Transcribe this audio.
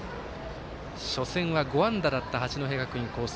初戦は５安打だった八戸学院光星。